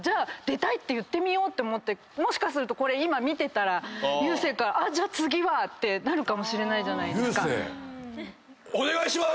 出たいって言ってみようってもしかするとこれ今見てたら郵政からじゃあ次はってなるかもしれないじゃないですか。